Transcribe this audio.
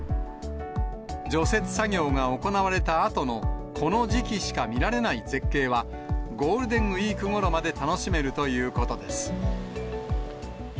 除雪作業が行われたあとのこの時期しか見られない絶景は、ゴールデンウィークごろまで楽しめるということです。